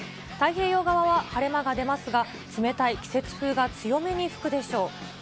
太平洋側は晴れ間が出ますが、冷たい季節風が強めに吹くでしょう。